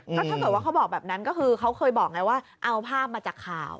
ก็ถ้าเกิดว่าเขาบอกแบบนั้นก็คือเขาเคยบอกไงว่าเอาภาพมาจากข่าว